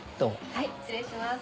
はい失礼します。